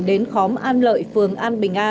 đến khóm an lợi phường an bình a